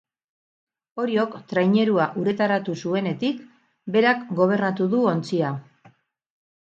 Oriok trainerua uretaratu zuenetik, berak gobernatu du ontzia.